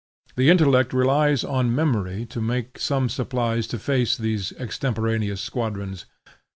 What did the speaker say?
The intellect relies on memory to make some supplies to face these extemporaneous squadrons.